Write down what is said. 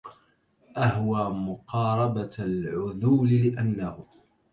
أهوى مقاربة العذول لأنه